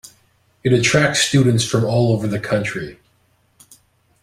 It attracts students from all over the country.